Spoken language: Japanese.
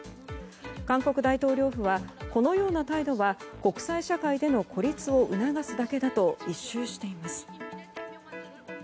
韓国大統領府はこのような態度は国際社会での孤立を促すだけだと一蹴しています。